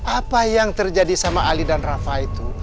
apa yang terjadi sama ali dan rafa itu